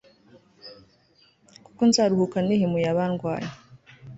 kuko nzaruhuka nihimuye abandwanya